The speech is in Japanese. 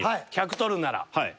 １００獲るなら。